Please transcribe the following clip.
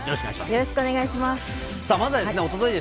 よろしくお願いします。